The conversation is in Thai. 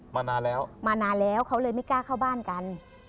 มานานแล้วมานานแล้วเขาเลยไม่กล้าเข้าบ้านกัน